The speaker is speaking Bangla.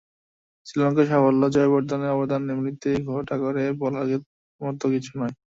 শ্রীলঙ্কার সাফল্যে জয়াবর্ধনের অবদান এমনিতে ঘটা করে বলার মতো কিছু নয়।